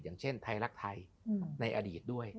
อย่างเช่นไทยรักไทยในอดีตด้วย